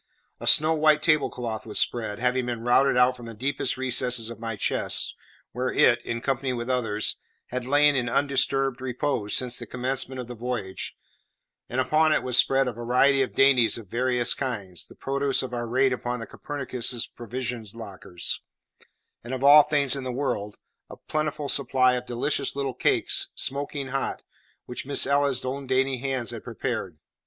A snow white table cloth was spread, having been routed out from the deepest recesses of my chest, where it, in company with others, had lain in undisturbed repose since the commencement of the voyage, and upon it was spread a variety of dainties of various kinds, the produce of our raid upon the Copernicus's provision lockers; and, of all things in the world, a plentiful supply of delicious little cakes, smoking hot, which Miss Ella's own dainty hands had prepared.